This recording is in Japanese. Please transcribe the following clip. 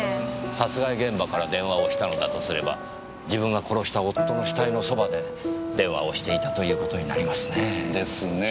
殺害現場から電話をしたのだとすれば自分が殺した夫の死体のそばで電話をしていたという事になりますねぇ。ですね。